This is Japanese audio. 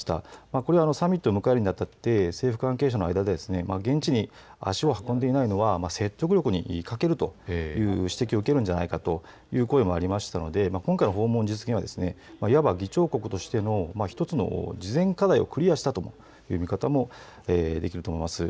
これはサミットを迎えるにあたって政府関係者の間で現地に足を運んでいないのは説得力に欠けるという指摘を受けるんじゃないかという声もありましたので今回の訪問実現はいわば議長国としての、１つの事前課題をクリアしたという見方もできると思います。